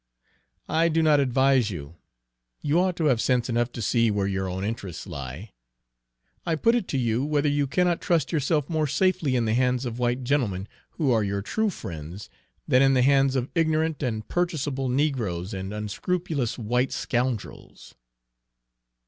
"I do not advise you. You ought to have sense enough to see where your own interests lie. I put it to you whether you cannot trust yourself more safely in the hands of white gentlemen, who are your true friends, than in the hands of ignorant and purchasable negroes and unscrupulous white scoundrels?"